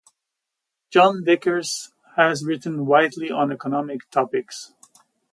John Vickers has written widely on economic topics.